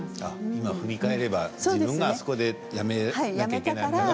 今、振り返れば自分があそこでやめなきゃいけなかったから。